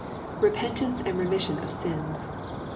[Repentance and remission of sins.